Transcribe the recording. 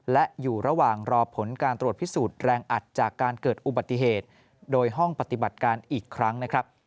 และอยู่ระหว่างรอผลการตรวจพิสูจน์แรงอัดจากการเกิดอุบัติเหตุโดยห้องปฏิบัติการอีกครั้งนะครับ